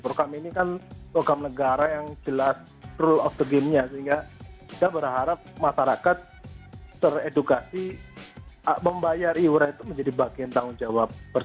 program ini kan program negara yang jelas rule of the game nya sehingga kita berharap masyarakat teredukasi membayar iuran itu menjadi bagian tanggung jawab